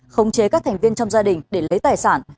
khống chế các thành viên trong gia đình để lấy tài sản